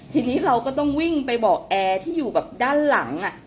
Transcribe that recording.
ทีนี้เราก็ต้องวิ่งไปบอกแอร์ที่อยู่แบบด้านหลัง